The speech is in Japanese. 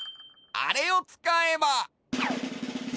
あれをつかえば！